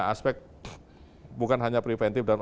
aspek bukan hanya preventive dalam